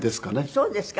そうですか。